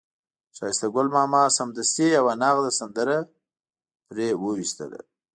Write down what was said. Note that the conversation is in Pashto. ښایسته ګل ماما سمدستي یوه نغده سندره پرې وویستله.